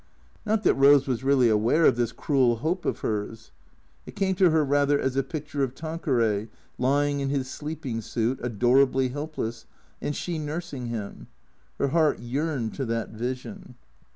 Not that Eose was really aware of this cruel hope of hers. It came to her rather as a picture of Tanqueray, lying in his sleeping suit, adorably helpless, and she nursing him. Her heart yearned to that vision.